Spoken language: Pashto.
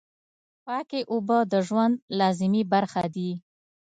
پاکې اوبه د ژوند لازمي برخه دي.